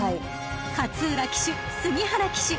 ［勝浦騎手杉原騎手